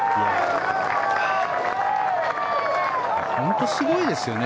本当にすごいですよね。